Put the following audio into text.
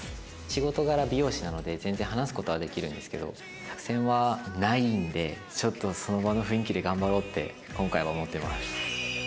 仕事柄美容師なので全然話す事はできるんですけど作戦はないんでちょっとその場の雰囲気で頑張ろうって今回は思ってます。